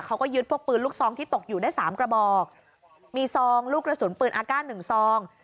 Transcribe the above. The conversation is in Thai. เขาก็ยึดพวกปืนลูกซองที่ตกอยู่ได้สามกระบอกมีซองลูกกระสุนปืนอากาศหนึ่งซอง